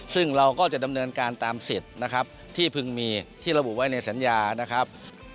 ซึ่งเราก็จะดำเนินการตามสิทธิ์นะครับที่พึงมีที่ระบุไว้ในสัญญานะครับ